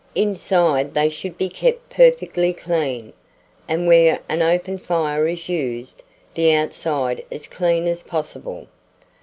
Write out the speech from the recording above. Inside they should be kept perfectly clean, and where an open fire is used, the outside as clean as possible.